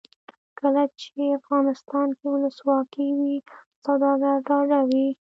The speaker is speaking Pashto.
کله چې افغانستان کې ولسواکي وي سوداګر ډاډه وي.